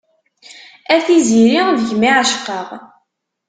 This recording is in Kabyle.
A tiziri deg-m i ɛecqeɣ.